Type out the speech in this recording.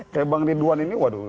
kayak bang ridwan ini waduh